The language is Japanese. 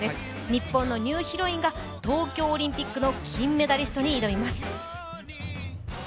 日本のニューヒロインが東京オリンピックの金メダリストに挑みます。